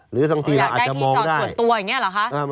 หรือทั้งทีเราอาจจะมองได้อย่างใกล้ที่จอดส่วนตัวอย่างนี้เหรอคะ